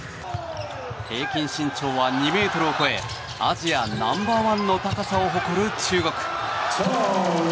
平均身長は２ｍを超えアジアナンバー１の高さを誇る中国。